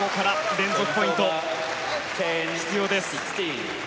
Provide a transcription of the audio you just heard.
連続ポイントが必要です。